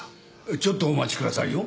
ちょっとお待ちくださいよ。